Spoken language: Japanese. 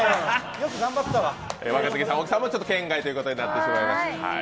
若槻さんも圏外ということになってしまいました。